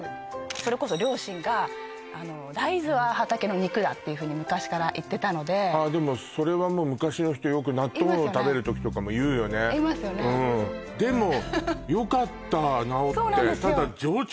それこそ両親が大豆は畑の肉だっていうふうに昔から言ってたのででもそれは昔の人よく納豆を食べる時とかも言うよね言いますよねでもよかった治ってそうなんですよ